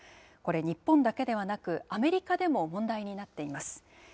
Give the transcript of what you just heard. これ、日本だけではなく、アメリカでも問題になっています。